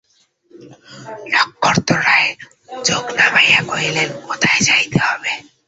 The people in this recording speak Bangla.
নক্ষত্ররায় চোখ নামাইয়া কহিলেন, কোথায় যাইতে হইবে?